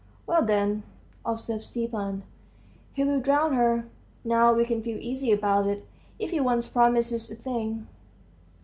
"Well, then," observed Stepan, "he'll drown her. Now we can feel easy about it. If he once promises a thing